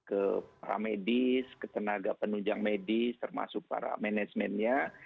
ke para medis ke tenaga penunjang medis termasuk para manajemennya